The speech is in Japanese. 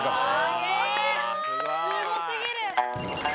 すごすぎる！